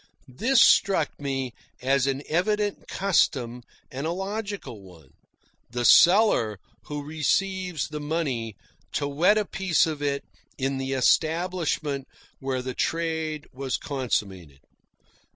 This struck me as an evident custom, and a logical one the seller, who receives the money, to wet a piece of it in the establishment where the trade was consummated.